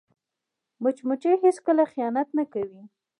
مچمچۍ هیڅکله خیانت نه کوي